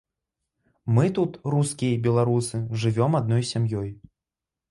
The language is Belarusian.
Мы тут, рускія і беларусы, жывём адной сям'ёй.